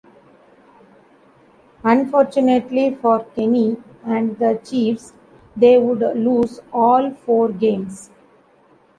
Unfortunately for Kenney and the Chiefs, they would lose all four games.